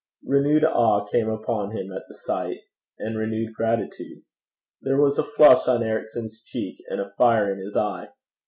Renewed awe came upon him at the sight, and renewed gratitude. There was a flush on Ericson's cheek, and a fire in his eye.